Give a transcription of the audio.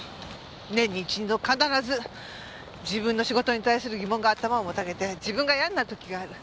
年に１２度必ず自分の仕事に対する疑問が頭をもたげて自分が嫌になる時がある。